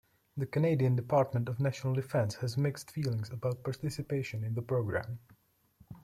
The Canadian Department of National Defence had mixed feelings about participation in the program.